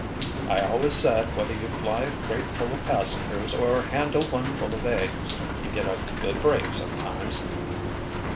"I always said whether you fly a crate full of passengers or handle one full of eggs, you get a good break sometimes!"